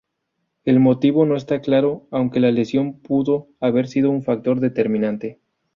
El motivo no está claro, aunque la lesión pudo haber sido un factor determinante.